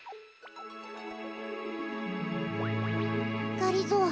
がりぞー